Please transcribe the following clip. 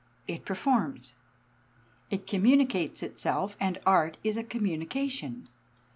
It performs. It communicates itself, and art is a communication.